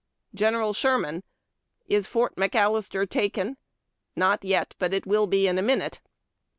" General Sherman." " Is Fort McAllister taken ?""• Not yet ; but it Avill be in a minute."